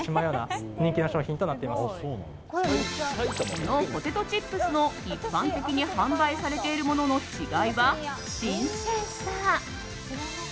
このポテトチップスの一般的に販売されてるものとの違いは新鮮さ。